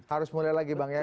harus mulai lagi bang ya